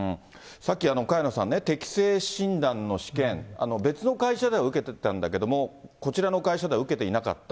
さっき、萱野さんね、適性診断の試験、別の会社では受けてたんだけども、こちらの会社では受けていなかった。